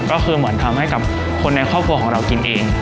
ก็คือเหมือนทำให้กับคนในครอบครัวของเรากินเอง